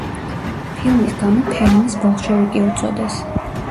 ფილმის გამო ფელინის ბოლშევიკი უწოდეს.